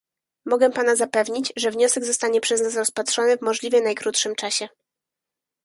Mogę pana zapewnić, że wniosek zostanie przez nas rozpatrzony w możliwie najkrótszym czasie